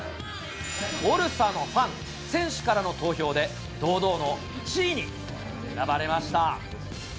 オールスターのファン、選手からの投票で、堂々の１位に選ばれました。